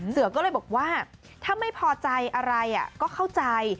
เสือก็เลยบอกว่าถ้าไม่พอใจอะไรก็เข้าใจ